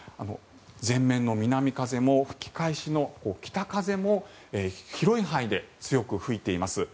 前面の南風も、吹き返しの北風も広い範囲で強く吹いています。